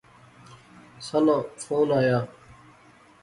سناں فون آیا